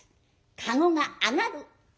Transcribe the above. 駕籠が上がる。